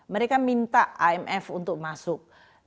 mereka minta imf untuk masuk